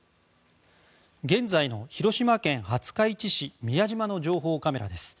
現在の広島県廿日市市宮島の情報カメラです。